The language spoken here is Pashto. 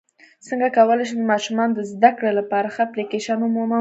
څنګه کولی شم د ماشومانو د زدکړې لپاره ښه اپلیکیشن ومومم